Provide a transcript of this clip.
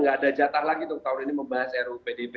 nggak ada jatah lagi untuk tahun ini membahas ru pdb